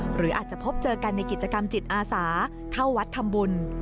หรืออาจจะพบเจอกันในกิจกรรมจิตอาสาเข้าวัดทำบุญ